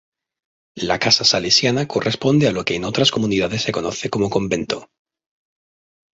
La "casa salesiana" corresponde a lo que en otras comunidades se conoce como "convento".